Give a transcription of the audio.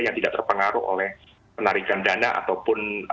yang tidak terpengaruh oleh penarikan dana ataupun kenaikan suku bunga